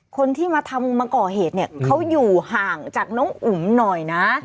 คนที่มาทำมาก่อเหตุเนี่ยเขาอยู่ห่างจากน้องอุ๋มหน่อยนะ